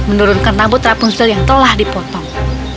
menurunkan rambut rapunzel yang telah dipotong